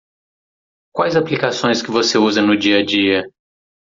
Quais aplicações que você usa no dia-a-dia?